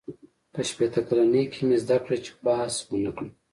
• په شپېته کلنۍ کې مې زده کړل، چې بحث ونهکړم.